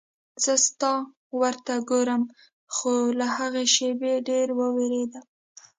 زه ستا ور ته ګورم خو له هغې شېبې ډېره وېرېدم.